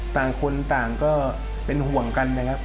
ต่างคนต่างก็เป็นห่วงกันนะครับ